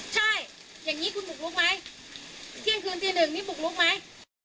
ใช่อย่างนี้คุณบุกลุกไหมเที่ยงคืนตีหนึ่งนี่บุกลุกไหม